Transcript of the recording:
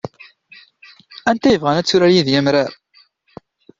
Anta yebɣan ad turar yid-i amrar?